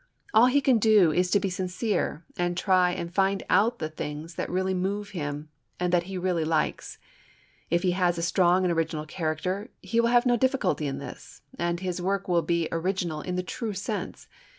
All he can do is to be sincere and try and find out the things that really move him and that he really likes. If he has a strong and original character, he will have no difficulty in this, and his work will be original in the true sense.